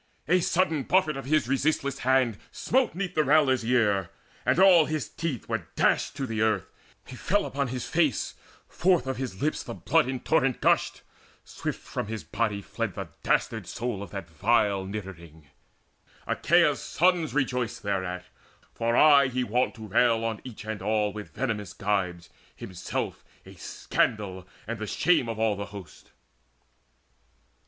A sudden buffet of his resistless hand Smote 'neath the railer's ear, and all his teeth Were dashed to the earth: he fell upon his face: Forth of his lips the blood in torrent gushed: Swift from his body fled the dastard soul Of that vile niddering. Achaea's sons Rejoiced thereat, for aye he wont to rail On each and all with venomous gibes, himself A scandal and the shame of all the host.